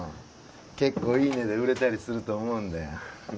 結構いい値で売れたりすると思うんだよ